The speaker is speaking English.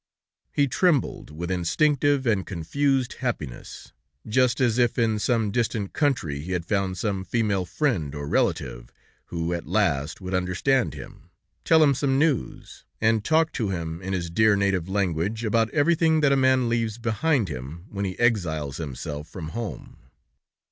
He trembled with instinctive and confused happiness, just as if in some distant country he had found some female friend or relative, who at last would understand him, tell him some news, and talk to him in his dear native language about everything that a man leaves behind him when he exiles himself from home.